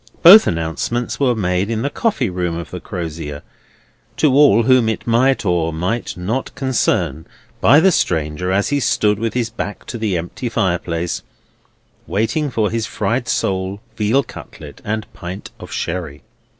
Both announcements were made in the coffee room of the Crozier, to all whom it might or might not concern, by the stranger as he stood with his back to the empty fireplace, waiting for his fried sole, veal cutlet, and pint of sherry.